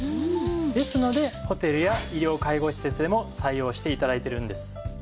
ですのでホテルや医療・介護施設でも採用して頂いているんです。